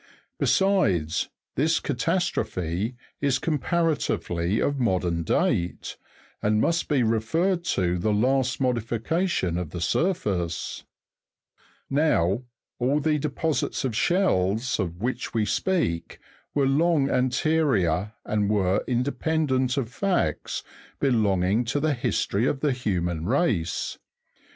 Besides, this catastrophe is comparatively of modern date, and must be referred to the last modification of the surface ; now, all the deposits of shells of which we speak were, long anterior, and were independent of facts belonging to the history of the human race.